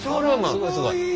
すごいすごい。